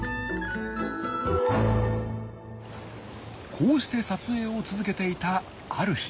こうして撮影を続けていたある日。